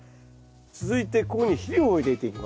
続いてここに肥料を入れていきます。